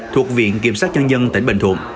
thuộc viện kiểm sát nhân dân tỉnh bình thuận